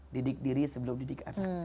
didik diri sebelum didik anak